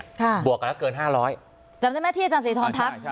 บวกกันแล้วเกินห้าร้อยจำได้ไหมที่อาจารย์ศรีทรทัก